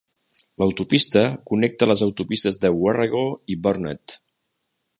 L'autopista connecta les autopistes de Warrego i Burnett.